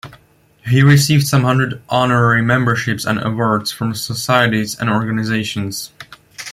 He received some hundred honorary memberships and awards from societies and organizations.